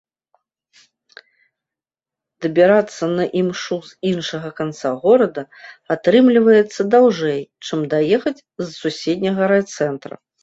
Дабірацца на імшу з іншага канца горада атрымліваецца даўжэй, чым даехаць з суседняга райцэнтра.